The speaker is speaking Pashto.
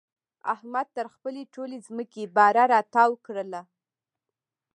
احمد تر خپلې ټولې ځمکې باره را تاو کړله.